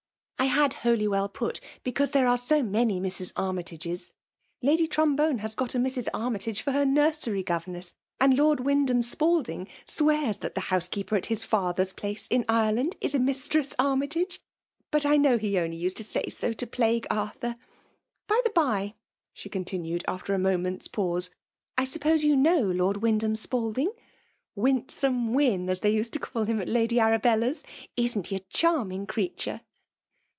I had Holywell put, because there are so many Mrs. Armytages. Lady Trom ITEMALE DOtf INATION. 239 bone has got a Mrs. Army tage for her nursery governess; and Lord Wyndham Spalding sanears that the housekeeper at his &tfaer*B place in Ireland, is a Mistress Armytage. Bnt I Icnow he only used to say so to plague Ar thur. By the by," — she continued, after a mo ment's pause, — ^"I suppose you know Ix)rd Wyndham Spalding? 'Winsome Wyn/ as they used to call him at Lady Arabella's. Is'nt he a charming creature